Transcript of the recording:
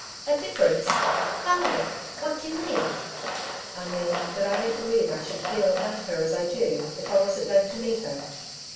'A difference! How? What do you mean?' 'I mean that I don't believe I should feel about her as I do if I wasn't going to meet her.